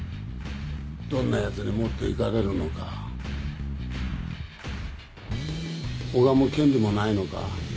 どんなヤツに持って行かれるのか拝む権利もないのか？